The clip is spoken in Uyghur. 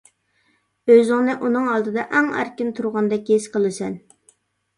ئۆزۈڭنى ئۇنىڭ ئالدىدا ئەڭ ئەركىن تۇرغاندەك ھېس قىلىسەن!